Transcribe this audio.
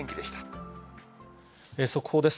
速報です。